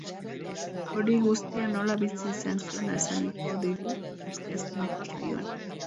Hori guztia nola bizi izan zuen azalduko digu asteazkeneko saioan.